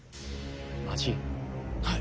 はい。